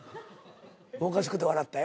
おかしくて笑ったよ。